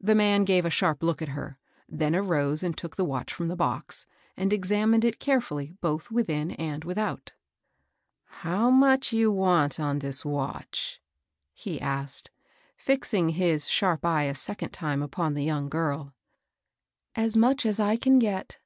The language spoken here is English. The man gave a sharp look at her, then arose and took the watch from the box, and examined it carefully both within and without. How much you vant on dis vatch ?" he asked, fixing his sharp eye a second time upon the young girl. ^^ As much as I can get.